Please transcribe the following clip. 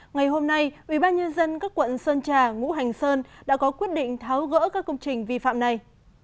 ngày hôm nay ubnd các quận sơn trà ngũ hành sơn đã có quyết định tháo gỡ các công trình vi phạm này